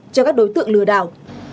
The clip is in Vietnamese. cho các đối tượng lừa đảo